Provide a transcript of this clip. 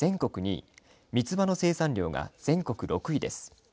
２位みつばの生産量が全国６位です。